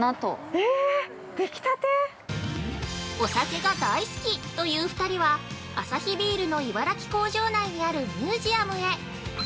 ◆お酒が大好きという２人は、アサヒビールの茨城工場内にあるミュージアムへ。